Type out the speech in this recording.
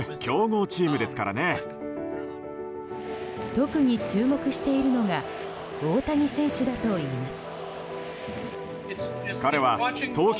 特に注目しているのが大谷選手だといいます。